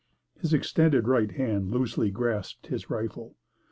His extended right hand loosely grasped his rifle.